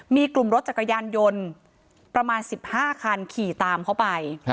มีกลุ่มรถจักรยานยนต์ประมาณ๑๕คันขี่ตามเขาไป